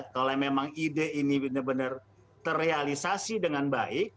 kalau memang ide ini benar benar terrealisasi dengan baik